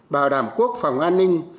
bảo đảm quốc phòng an ninh